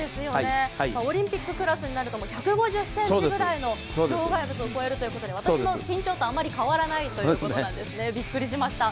オリンピッククラスになると１５０ｃｍくらいの障害物を越えるということで私の身長とあまり変わらないということなんですね、びっくりしました。